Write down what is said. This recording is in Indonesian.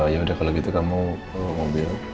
ya udah kalau gitu kamu mobil